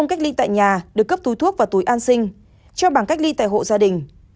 cách ly tại nhà được cấp túi thuốc và túi an sinh cho bảng cách ly tại hộ gia đình